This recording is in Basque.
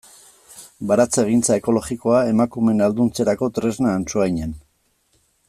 Baratzegintza ekologikoa emakumeen ahalduntzerako tresna Antsoainen.